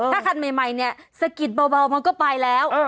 ถ้าคันใหม่เนี่ยสะกิดเบามันก็ไปแล้ว